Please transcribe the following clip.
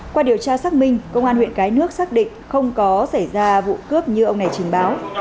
qua điều tra xác minh công an huyện cái nước xác định không có xảy ra vụ cướp như ông này trình báo